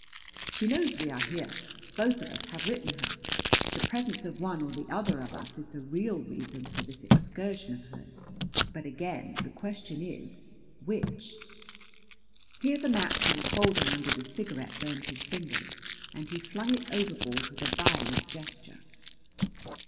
She knows we are here. Both of us have written her. The presence of one or the other of us is the real reason for this excursion of hers. But again the question is which?" Here the match he was holding under the cigarette burned his fingers and he flung it overboard with a violent gesture.